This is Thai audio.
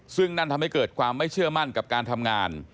ซึ่งนั่นทำให้เกิดความไม่เชื่อมั่นกับการทำงาน